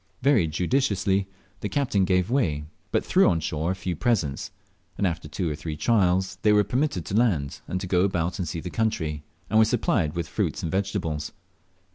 Very judiciously the captain gave way, but threw on shore a few presents, and after two or three trials they were permitted to land, and to go about and see the country, and were supplied with fruits and vegetables.